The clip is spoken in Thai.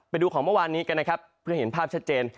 ไปดูของเมื่อวานนี้กันนะครับเพื่อเห็นภาพชัดเจน